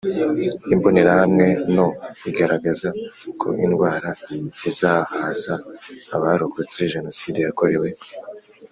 Imbonerahamwe no igaragaza ko indwara zizahaza Abarokotse Jenoside yakorewe